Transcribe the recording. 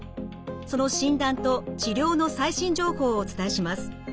その診断と治療の最新情報をお伝えします。